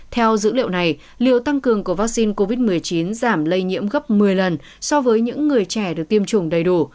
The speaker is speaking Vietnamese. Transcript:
theo dữ liệu này liệu tăng cường của vaccine covid một mươi chín giảm lây nhiễm gấp một mươi lần so với những người trẻ được tiêm chủng đầy đủ